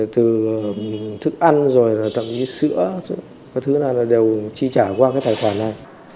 từ thức ăn rồi là tậm chí sữa các thứ này là đều chi trả qua cái tài khoản này